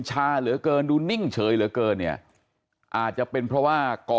ชาเหลือเกินดูนิ่งเฉยเหลือเกินเนี่ยอาจจะเป็นเพราะว่าก่อ